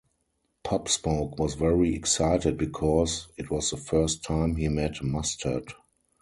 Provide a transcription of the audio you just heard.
Pop Smoke was very excited because it was the first time he met Mustard.